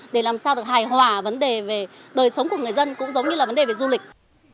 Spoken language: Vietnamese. để làm sao được hài hòa vấn đề về đời sống của người dân cũng giống như là vấn đề về du lịch